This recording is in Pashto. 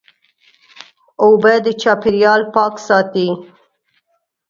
اوبه د چاپېریال پاک ساتي.